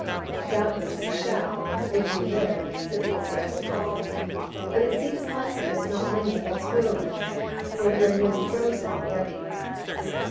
" Doubtless we shall, if we live," said the oldest Wokala. " But it seems likely that not many of us will live, for we are nearly frozen already."